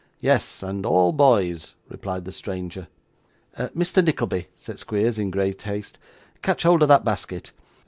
'Yes, and all boys,' replied the stranger. 'Mr. Nickleby,' said Squeers, in great haste, 'catch hold of that basket.